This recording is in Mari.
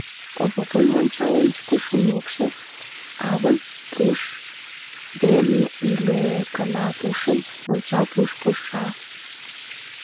Овопын монча ончыко шумекше, авын пуш ден иле кыне пушым монча пуш поша.